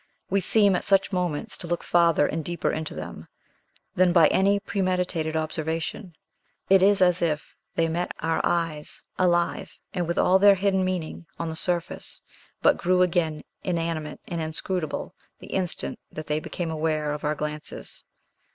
We seem at such moments to look farther and deeper into them, than by any premeditated observation; it is as if they met our eyes alive, and with all their hidden meaning on the surface, but grew again inanimate and inscrutable the instant that they became aware of our glances.